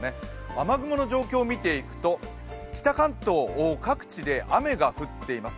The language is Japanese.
雨雲の状況を見ていくと、北関東の各地で雨が降っています。